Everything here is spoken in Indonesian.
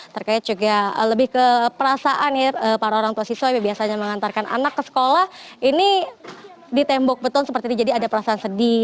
terkait juga lebih ke perasaan ya para orang tua siswa yang biasanya mengantarkan anak ke sekolah ini di tembok beton seperti itu jadi ada perasaan sedih